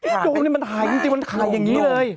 จงทายเลย